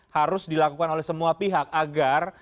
harus dilakukan oleh semua pihak agar